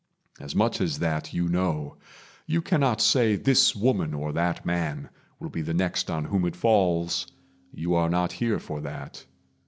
As much as that, you know. You cannot say This woman or that man will be the next On whom it falls; you are not here for that.